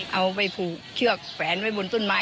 เอาไปผูกเชือกแขวนไว้บนต้นไม้